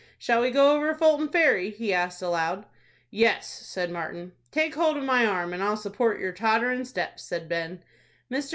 Shall we go over Fulton Ferry?" he asked, aloud. "Yes," said Martin. "Take hold of my arm, and I'll support your totterin' steps," said Ben. Mr.